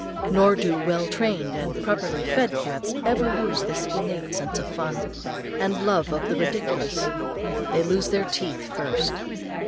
Nor do well trained and properly fed cats ever lose this innate sense of fun, and love of the ridiculous. They lose their teeth first.